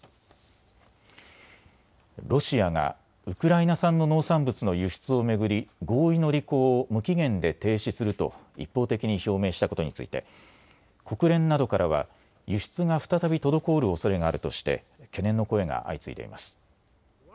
ロシアがウクライナ産の農産物の輸出を巡り合意の履行を無期限で停止すると一方的に表明したことについて、国連などからは輸出が再び滞るおそれがあるとして懸念の声が相次いでいます。